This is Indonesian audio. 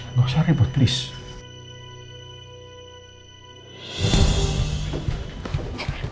nggak usah ribet please